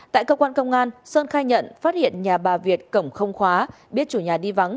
tại cơ quan công an sơn khai nhận phát hiện nhà bà việt cổng không khóa biết chủ nhà đi vắng